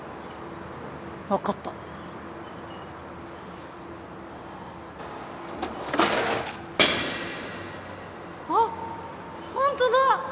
分かったあっホントだ！